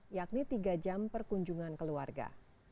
yakni tiga jam perkunjungan keluarga